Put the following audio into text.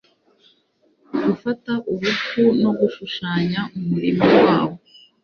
Gufata urupfu no gushushanya umurima wabo